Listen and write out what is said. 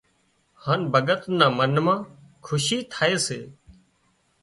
هانَ ڀڳت نا منَ مان کُشي ٿائي سي